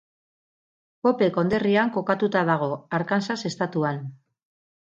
Pope konderrian kokatuta dago, Arkansas estatuan.